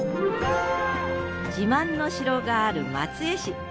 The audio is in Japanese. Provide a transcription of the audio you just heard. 自慢の城がある松江市。